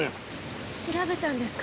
調べたんですか